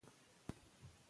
تر څو چې توان لرئ کار وکړئ.